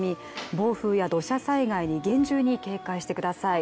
暴風や土砂災害に厳重に警戒してください。